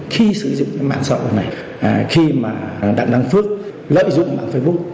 khi sử dụng mạng xã hội này khi mà đặng đăng phước lợi dụng mạng facebook